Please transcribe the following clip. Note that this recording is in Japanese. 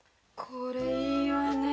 これいいわね。